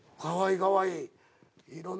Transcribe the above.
かわいいかわいい。